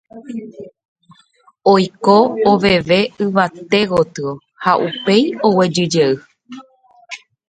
oiko oveve yvate gotyo ha upéi oguejyjey